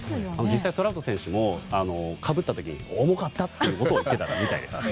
実際、トラウト選手もかぶった時重かったということを言っていたみたいです。